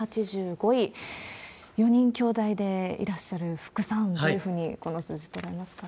４人きょうだいでいらっしゃる福さん、どういうふうにこの数字、どう見ますか？